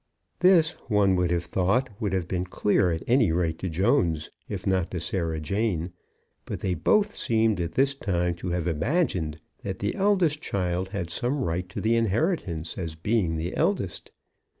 This, one would have thought, would have been clear at any rate to Jones, if not to Sarah Jane; but they both seemed at this time to have imagined that the eldest child had some right to the inheritance as being the eldest.